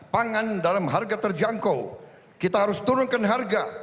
pangan dalam harga terjangkau kita harus turunkan harga